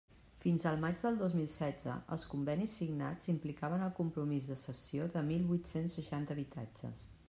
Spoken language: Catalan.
Fins al maig del dos mil setze, els convenis signats implicaven el compromís de cessió de mil vuit-cents seixanta habitatges.